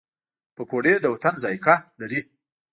پکورې د وطن ذایقه لري